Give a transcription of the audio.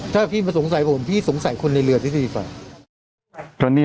ถ้าพี่มาสงสัยผมพี่สงสัยคนในเรือที่พี่ฟัง